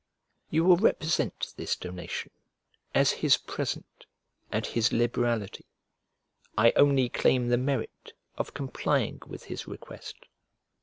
You will represent this donation as his present and his liberality; I only claim the merit of complying with his request.